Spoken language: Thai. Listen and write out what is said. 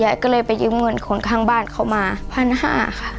ยายก็เลยไปยืมเงินคนข้างบ้านเขามา๑๕๐๐บาทค่ะ